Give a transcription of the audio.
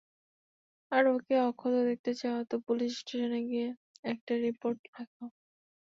আর ওকে অক্ষত দেখতে চাও তো, পুলিশ স্টেশনে গিয়ে একটা রিপোর্ট লিখাও।